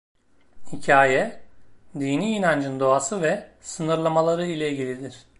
Hikaye, dini inancın doğası ve sınırlamaları ile ilgilidir.